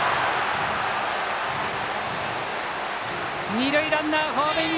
二塁ランナー、ホームイン！